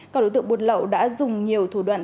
các đối tượng buôn lậu đã dùng nhiều thủ đoạn